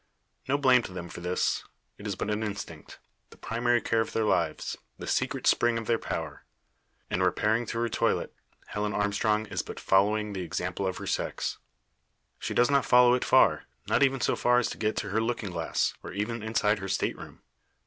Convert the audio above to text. No blame to them for this. It is but an instinct the primary care of their lives the secret spring of their power. In repairing to her toilette, Helen Armstrong is but following the example of her sex. She does not follow it far not even so far as to get to her looking glass, or even inside her state room.